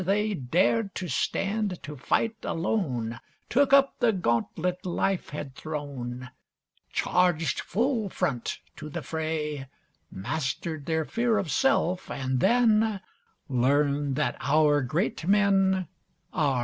They dared to stand to fight alone, Took up the gauntlet life had thrown, Charged full front to the fray, Mastered their fear of self, and then, Learned that our great men are but men.